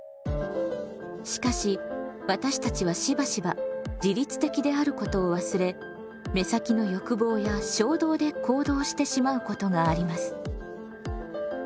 しかし私たちはしばしば自律的であることを忘れ目先の欲望や衝動で行動してしまうことがあります。